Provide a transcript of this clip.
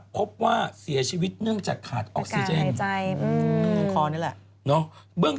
พบว่าเสียชีวิตเนื่องจากขาดออกซิเจนคอนี่แหละ